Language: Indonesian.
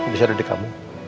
bisa ada di kamu